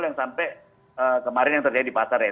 yang sampai kemarin yang terjadi di pasar ya